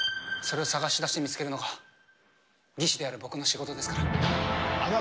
それを探し出し、見つけるのが技師である僕の仕事ですから。